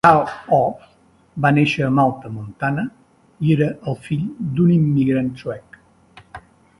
Karl Ohs va néixer a Malta, Montana, i era el fill d'un immigrant suec.